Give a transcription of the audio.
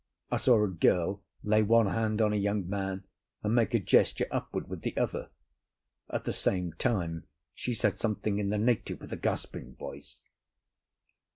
I saw a girl lay one hand on a young man and make a gesture upward with the other; at the same time she said something in the native with a gasping voice.